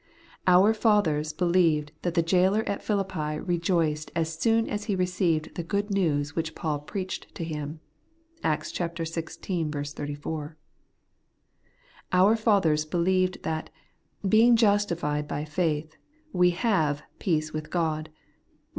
Our fathers believed that the jailor at Philippi rejoiced as soon as he received the good news which Paul preached to him (Acts xvi. 34). Our fathers believed that, ' being justified by faith, we have peace with God' (Eom.